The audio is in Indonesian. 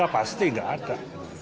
dua tiga pasti nggak ada